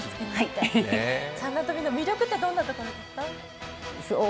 三段跳びの魅力ってどういうところですか？